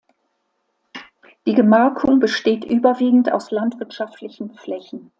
Die Gemarkung besteht überwiegend aus landwirtschaftlichen Flächen.